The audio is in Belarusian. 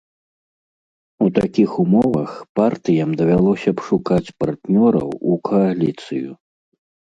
У такіх умовах партыям давялося б шукаць партнёраў у кааліцыю.